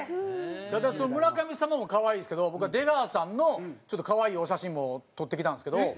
ただ村神様も可愛いんですけど僕は出川さんのちょっと可愛いお写真も撮ってきたんですけど。